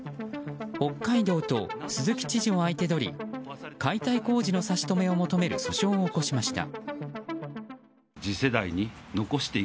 北海道と鈴木知事を相手取り解体工事の差し止めを求める訴訟を起こしました。